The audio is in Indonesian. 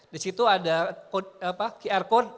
disitu ada qr code